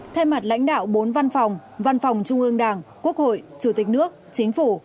thay mặt lãnh đạo bốn văn phòng văn phòng trung ương đảng quốc hội chủ tịch nước chính phủ